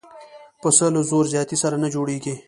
پسه له زور زیاتي سره نه جوړېږي.